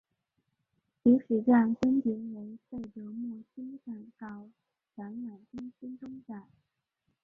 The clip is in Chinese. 起始站分别为费德莫兴站到展览中心东站。